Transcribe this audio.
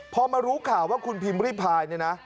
พอมารู้ข่าวว่าคุณพิมพ์รีไพร